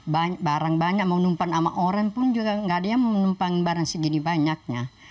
banyak barang banyak mau numpan sama orang pun juga nggak ada yang menumpang barang segini banyaknya